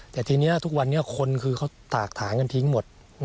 แต่ทีนี้ทุกวันนี้คนคือเขาตากถางกันทิ้งหมด